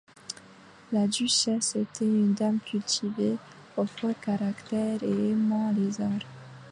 La duchesse était une dame cultivée, au fort caractère et aimant les arts.